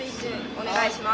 お願いします。